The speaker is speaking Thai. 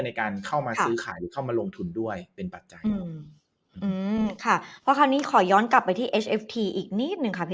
ในการเข้ามาซื้อขายหรือเข้ามาลงทุนด้วยเป็นปัจจัย